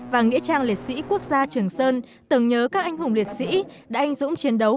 và nghĩa trang liệt sĩ quốc gia trường sơn tưởng nhớ các anh hùng liệt sĩ đã anh dũng chiến đấu